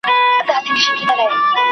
ملتونه د سولي په خبرو کي څه غواړي؟